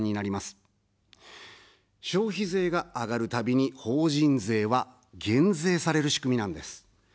消費税が上がるたびに法人税は減税される仕組みなんです。